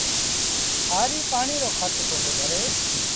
هآريٚ پآڻي رو کرچ ڪوندو ڀري